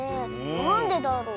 なんでだろう？